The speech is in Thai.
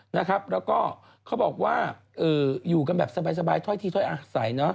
นะครับแล้วก็เขาบอกว่าอยู่กันแบบสบายถ้อยทีถ้อยอาศัยเนอะ